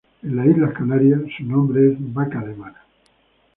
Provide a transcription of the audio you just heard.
En las Islas Canarias su nombre es vaca de mar.